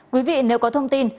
quý vị nếu có thông tin